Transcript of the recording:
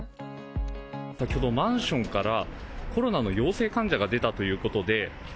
先ほど、マンションからコロナの陽性患者が出たということで。